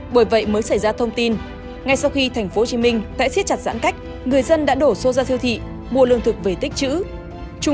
bởi vậy mới xảy ra thông tin ngay sau khi thành phố hồ chí minh đã xiết chặt giãn cách người dân đã đổ xô ra thiêu thị mua lương thực về tích chữ